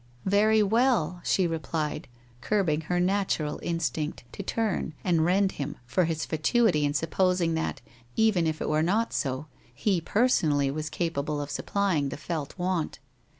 ' Very well,' she replied, curbing her natural instinct to turn and rend him for his fatuity in supposing that, even it it were not so, he personally was capable of sup plying the felt want.